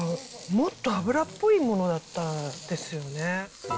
もっと脂っぽいものだったですよね。